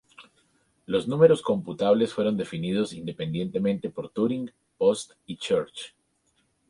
Los números computables fueron definidos independientemente por Turing, Post y Church.